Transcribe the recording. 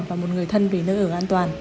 và một người thân về nơi ở an toàn